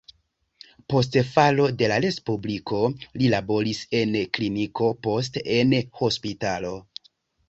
Post falo de la respubliko li laboris en kliniko, poste en hospitalo.